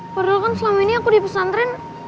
padahal kan selama ini aku dipesantren